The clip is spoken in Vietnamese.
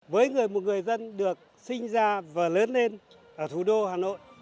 với người một người dân được sinh ra và lớn lên ở thủ đô hà nội